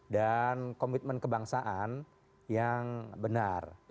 dan komitmen kebangsaan yang benar